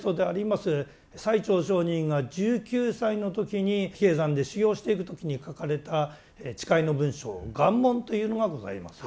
最澄上人が１９歳の時に比叡山で修行していく時に書かれた誓いの文書「願文」というのがございます。